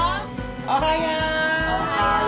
おはよう！